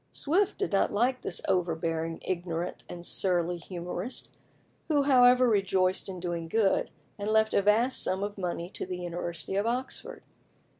Swift did not like this overbearing, ignorant, and surly humorist, who, however, rejoiced in doing good, and left a vast sum of money to the University of Oxford.